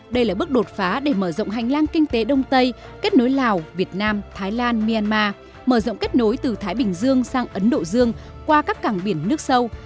đây là bước đột phá để mở rộng hành lang kinh tế đông tây kết nối lào việt nam thái lan myanmar mở rộng kết nối từ thái bình dương sang ấn độ dương qua các cảng biển nước sâu